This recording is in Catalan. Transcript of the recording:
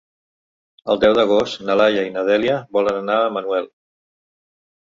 El deu d'agost na Laia i na Dèlia volen anar a Manuel.